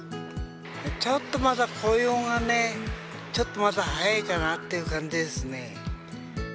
ちょっとまだ紅葉がね、ちょっとまだ早いかなっていう感じですね。